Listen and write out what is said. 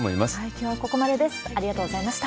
きょうはここまでとなります。